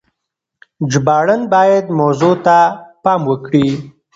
ژباړن بايد موضوع ته پام وکړي.